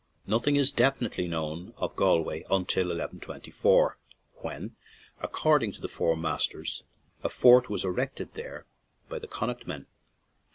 Nothing is definitely known of Galway until 1 124, when, according to the "Four Masters/' a fort was erected there by the Connaught men.